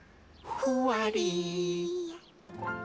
「ふわり」